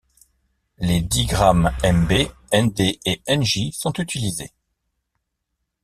Les digrammes mb, nd et nj sont utilisés.